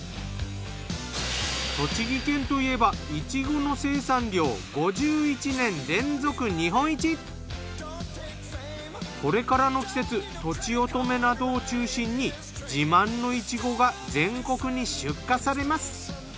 栃木県といえばこれからの季節とちおとめなどを中心に自慢のイチゴが全国に出荷されます。